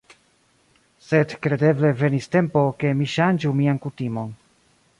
Sed kredeble venis tempo, ke mi ŝanĝu mian kutimon.